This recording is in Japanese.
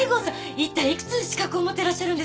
一体いくつ資格持ってらっしゃるんですか？